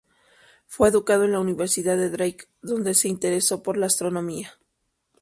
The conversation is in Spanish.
Fue educado en la Universidad de Drake, donde se interesó por la astronomía.